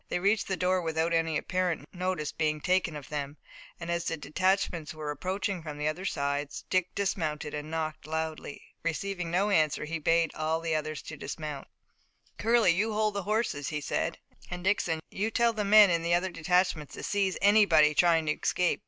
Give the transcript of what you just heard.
They reached the door without any apparent notice being taken of them, and as the detachments were approaching from the other sides, Dick dismounted and knocked loudly. Receiving no answer, he bade all the others dismount. "Curley, you hold the horses," he said, "and Dixon, you tell the men in the other detachments to seize anybody trying to escape.